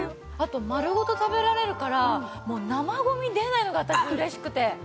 まるごと食べられるから生ゴミ出ないのが私嬉しくて。